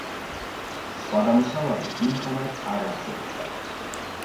სხვა გამოსავალი იმ ხანად არ არსებობდა.